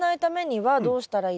はい。